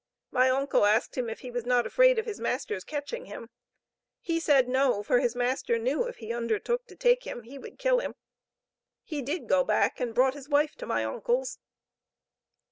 My uncle asked him if he was not afraid of his master's catching him. He said no, for his master knew if he undertook to take him, he would kill him. He did go and brought his wife to my uncle's.